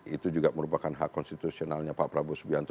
itu juga merupakan hak konstitusionalnya pak prabowo subianto